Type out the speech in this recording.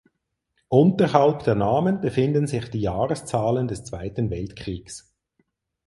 Unterhalb der Namen befinden sich die Jahreszahlen des Zweiten Weltkriegs.